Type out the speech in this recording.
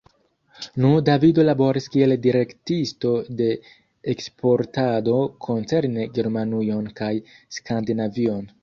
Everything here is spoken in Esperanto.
Nu, Davido laboris kiel direktisto de eksportado koncerne Germanujon kaj Skandinavion.